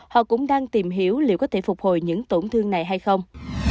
họ cũng đang tìm hiểu liệu có thể phục hồi những tổn thương này hay không